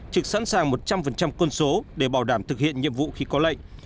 trực sẵn sàng một trăm linh quân số để bảo đảm thực hiện nhiệm vụ khi có lệnh